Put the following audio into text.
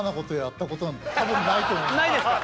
ないですか？